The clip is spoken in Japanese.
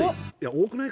多くない？